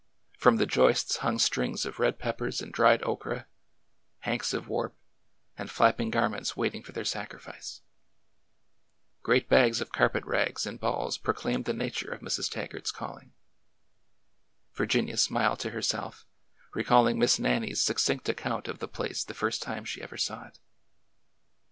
From the joists hung strings of red pep pers and dried okra, hanks of warp, and flapping garments waiting for their sacrifice. Great bags of carpet rags in balls proclaimed the nature of Mrs. Taggart's calling. Virginia smiled to herself, recalling Miss Nannie's succinct account of the place the first time she ever saw it.